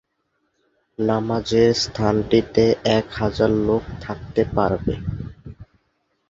নামাজের স্থানটিতে এক হাজার লোক থাকতে পারে।